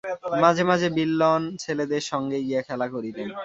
মাঝে মাঝে বিল্বন ছেলেদের সঙ্গে গিয়া খেলা করিতেন।